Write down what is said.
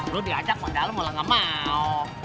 lo diajak ke dalam kalau gak mau